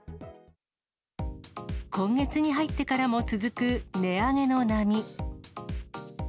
今月に入ってからも続く値上げの波。